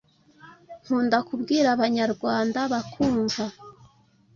nkunda kubwira abanyarwanda bakumva